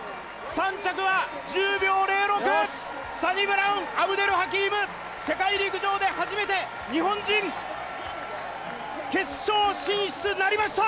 ３着は１０秒０６、サニブラウン・アブデルハキーム、世界陸上で初めて日本人決勝進出なりました。